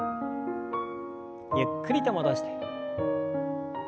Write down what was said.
ゆっくりと戻して。